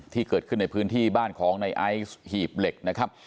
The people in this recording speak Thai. ที่เกิดขึ้นในพื้นที่บ้านของในไอซ์หีบเหล็กนะครับ